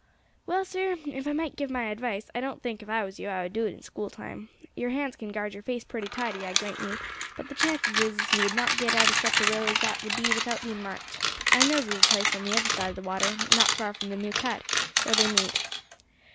"Well, sir, if I might give my advice, I don't think, if I was you, I would do it in school time. Your hands can guard your face pretty tidy, I grant you, but the chances is as you would not get out of such a row as that would be without being marked. I knows of a place over the other side of the water, not far from the New Cut, where they meet.